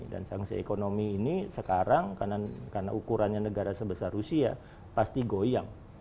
dan sanksi ekonomi ini sekarang karena ukurannya negara sebesar rusia pasti goyang